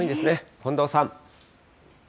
近藤さん。